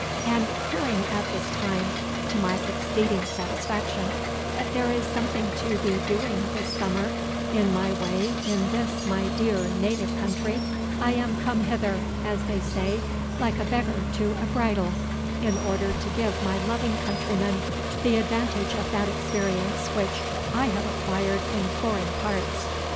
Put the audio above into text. And hearing at this time, to my exceeding satisfaction, that there is something to be doing this summer in my way in this my dear native country, I am come hither, as they say, like a beggar to a bridal, in order to give my loving countrymen the advantage of that experience which I have acquired in foreign parts.